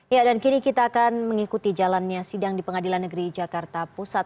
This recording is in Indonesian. ya dan kini kita akan mengikuti jalannya sidang di pengadilan negeri jakarta pusat